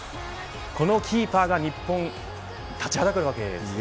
このキーパーが日本に立ちはだかるわけですね。